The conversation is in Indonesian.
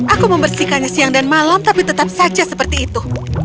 aku membersihkannya siang dan malam tapi tetap saja seperti itu